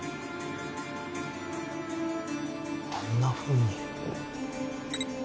あんなふうに。